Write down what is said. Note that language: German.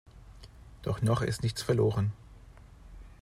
Doch noch ist nichts verloren.